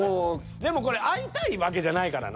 でもこれ会いたいわけじゃないからな。